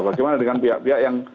bagaimana dengan pihak pihak yang